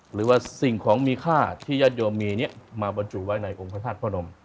หรือว่าสิ่งของมีค่าที่ญาติโยมมีมาบรรจุไว้ในองค์พระธาตุพระนม